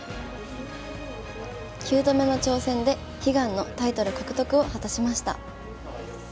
９度目の挑戦で悲願のタイトル獲得を果たしました。